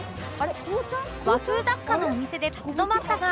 和風雑貨のお店で立ち止まったが